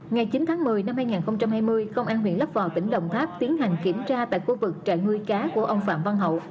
ngày chín tháng một mươi năm hai nghìn hai mươi công an huyện lấp vò tỉnh đồng tháp tiến hành kiểm tra tại khu vực trại nuôi cá của ông phạm văn hậu